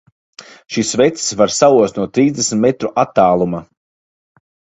Šis vecis var saost no trīsdesmit metru attāluma!